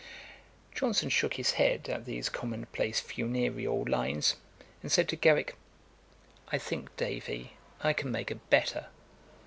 Johnson shook his head at these common place funereal lines, and said to Garrick, 'I think, Davy, I can make a better.'